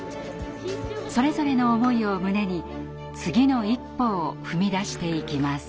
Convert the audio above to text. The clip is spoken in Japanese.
それぞれの思いを胸に次の一歩を踏み出していきます。